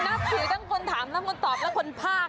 นับถือทั้งคนถามทั้งคนตอบและคนภาค